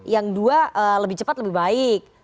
yang dua lebih cepat lebih baik